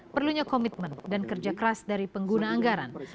perlunya komitmen dan kerja keras dari pengguna anggaran